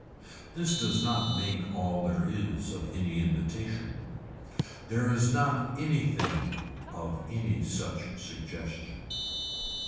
This does not make all there is of any invitation. There is not anything of any such suggestion.